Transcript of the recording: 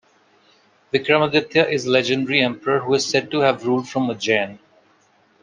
Vikramaditya is a legendary emperor, who is said to have ruled from Ujjain.